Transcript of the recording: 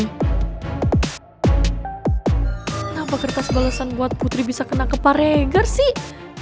kenapa kertas balasan buat putri bisa kena ke pareger sih